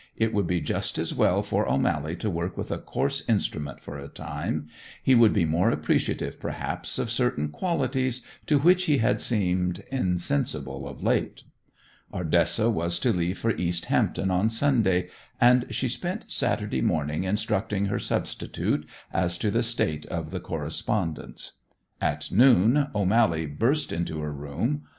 It would be just as well for O'Mally to work with a coarse instrument for a time; he would be more appreciative, perhaps, of certain qualities to which he had seemed insensible of late. Ardessa was to leave for East Hampton on Sunday, and she spent Saturday morning instructing her substitute as to the state of the correspondence. At noon O'Mally burst into her room.